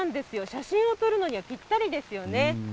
写真を撮るのにはぴったりですよね。